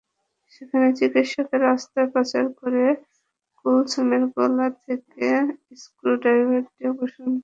সেখানে চিকিৎসকেরা অস্ত্রোপচার করে কুলসুমের গাল থেকে স্ক্রু ড্রাইভারটি অপসারণ করেন।